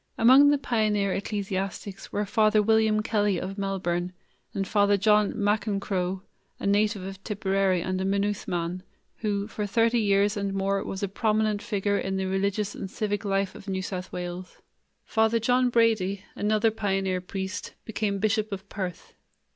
Among the pioneer ecclesiastics were Father William Kelly of Melbourne and Father John McEncroe, a native of Tipperary and a Maynooth man, who for thirty years and more was a prominent figure in the religious and civic life of New South Wales. Father John Brady, another pioneer priest, became Bishop of Perth.